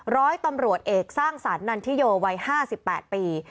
ร้อยตำรวจเอกสร้างสรรคันทิโยวัย๕๘ปี